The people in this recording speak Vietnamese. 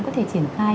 có thể triển khai